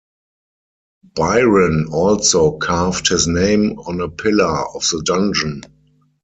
Byron also carved his name on a pillar of the dungeon.